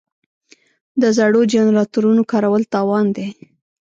د زړو جنراتورونو کارول تاوان دی.